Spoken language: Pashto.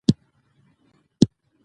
راځئ چې دا ارمان په حقیقت بدل کړو.